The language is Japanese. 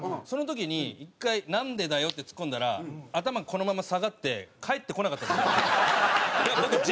その時に１回「なんでだよ」ってツッコんだら頭このまま下がって返ってこなかった時がある。